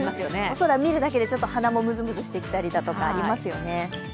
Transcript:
空見るだけで鼻もムズムズしてきたりだとか、ありますよね。